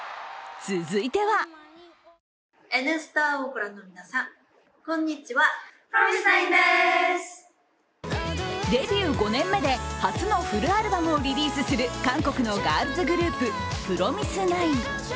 続いてはデビュー５年目で初のフルアルバムをリリースする韓国のガールズグループｆｒｏｍｉｓ＿９。